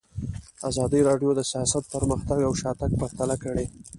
ازادي راډیو د سیاست پرمختګ او شاتګ پرتله کړی.